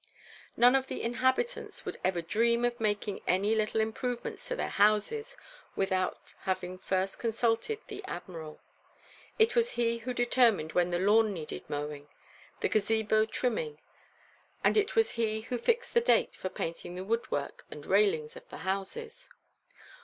None of the inhabitants would ever dream of making any little improvements to their houses without having first consulted the Admiral. It was he who determined when the lawn needed mowing, the Gazebo trimming, and it was he who fixed the date for painting the wood work and railings of the houses.